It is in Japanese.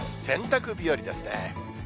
洗濯日和ですね。